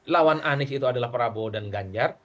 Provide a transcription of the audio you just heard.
lawan anies itu adalah prabowo dan ganjar